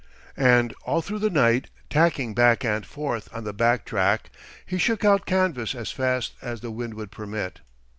And all through the night, tacking back and forth on the back track, he shook out canvas as fast as the wind would permit.